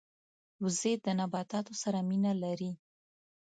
وزې د نباتاتو سره مینه لري